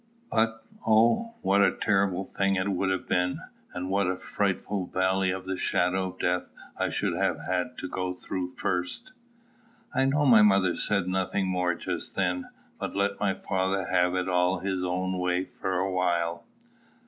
But, oh, what a terrible thing it would have been, and what a frightful valley of the shadow of death I should have had to go through first! [I know my mother said nothing more just then, but let my father have it all his own way for a while.